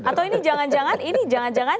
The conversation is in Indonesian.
atau ini jangan jangan ini jangan jangan